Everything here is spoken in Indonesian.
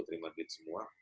terima duit semua